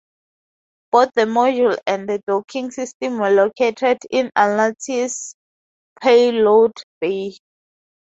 Both the module and the docking system were located in "Atlantis"'s payload bay.